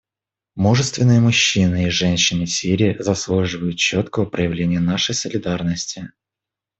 Мужественные мужчины и женщины Сирии заслуживают четкого проявления нашей солидарности.